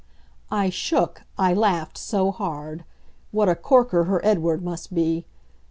I shook, I laughed so hard. What a corker her Edward must be!